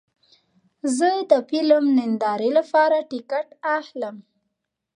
زه د فلم نندارې لپاره ټکټ اخلم.